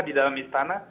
di dalam istana